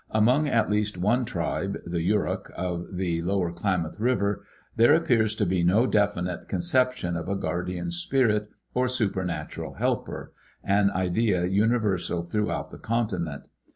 Among at least one tribe, the Yurok of the lower Klamath river, there appears to be no definite conception of a guardian spirit or supernatural helper, an idea universal throughout the continent.